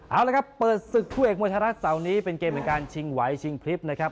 เอาละครับเปิดศึกคู่เอกมวยไทยรัฐเสาร์นี้เป็นเกมของการชิงไหวชิงพลิบนะครับ